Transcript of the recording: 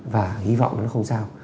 và hy vọng nó không sao